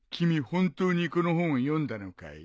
本当にこの本を読んだのかい？